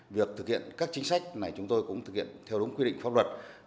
việc thực hiện các chính sách này chúng tôi cũng thực hiện theo đúng quy định pháp luật